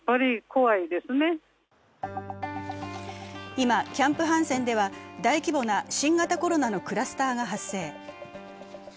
今、キャンプ・ハンセンでは大規模な新型コロナのクラスターが発生。